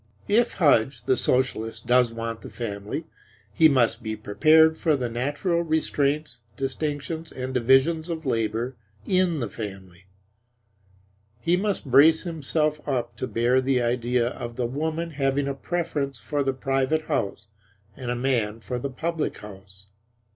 If Hudge, the Socialist, does want the family he must be prepared for the natural restraints, distinctions and divisions of labor in the family. He must brace himself up to bear the idea of the woman having a preference for the private house and a man for the public house.